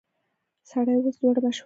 سړی او اس دواړه مشهور شول.